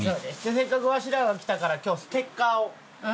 せっかくわしらが来たから今日ステッカーをプレゼント。